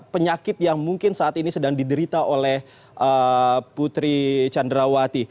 penyakit yang mungkin saat ini sedang diderita oleh putri candrawati